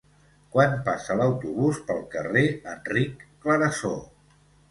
Quan passa l'autobús pel carrer Enric Clarasó?